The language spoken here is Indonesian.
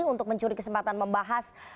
untuk mencuri kesempatan membahas